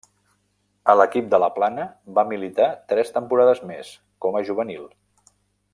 A l'equip de la Plana va militar tres temporades més, com a juvenil.